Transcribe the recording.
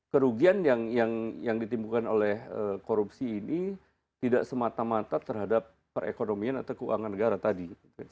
kerugian yang ditimbulkan oleh korupsi ini tidak semata mata terhadap perekonomian atau keuangan negara tadi